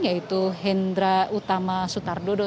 yaitu hendra utama sutardodo